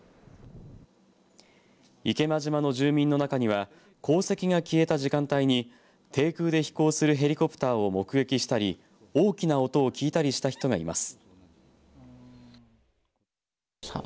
池間島の住民の中には航跡が消えた時間帯に低空で飛行するヘリコプターを目撃したり大きな音を聞いたりした人がいます。